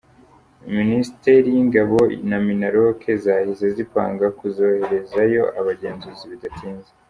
Ministeri y’ingabo na Minaloc zahise zipanga kuzoherezayo abagenzuzi bidatinze.